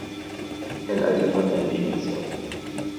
And I do not envy myself.